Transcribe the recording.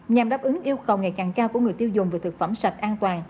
nhằm đáp ứng yêu cầu ngày càng cao của người tiêu dùng về thực phẩm sạch an toàn